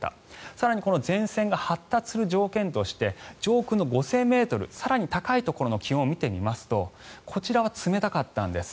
更にこの前線が発達する条件として上空の５０００ｍ更に高いところの気温を見てみますとこちらは冷たかったんです。